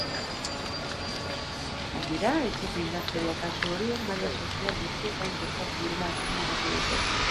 Gainera, etxeko indarkeria kasu horiek maila sozial guztietan gertatu direla azpimarratu dute.